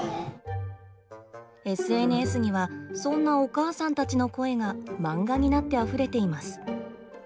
ＳＮＳにはそんなお母さんたちの声がマンガになってあふれています。